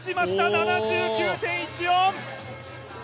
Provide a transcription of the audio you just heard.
７９．１４！